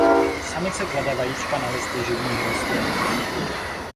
Samice klade vajíčka na listy živných rostlin.